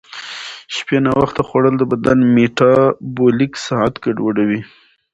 شپې ناوخته خوړل د بدن میټابولیک ساعت ګډوډوي.